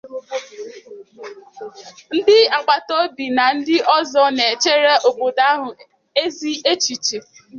ndị agbatobi na ndị ọzọ na-echèré obodo ahụ ezi echichè.